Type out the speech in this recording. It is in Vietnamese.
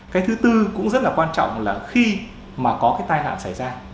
cái thứ tư cũng rất là quan trọng là khi mà có cái tai nạn xảy ra